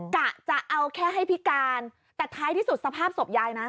กะจะเอาแค่ให้พิการแต่ท้ายที่สุดสภาพศพยายนะ